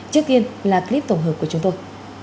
trước tiên là clip tổng hợp của chúng tôi